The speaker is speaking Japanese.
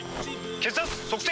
血圧測定！